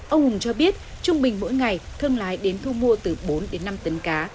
ông hùng cho biết trung bình mỗi ngày thương lái đến thu mua từ bốn đến năm tấn cá